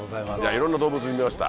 いろんな動物見ました。